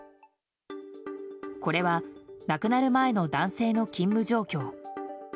これは亡くなる前の男性の勤務状況。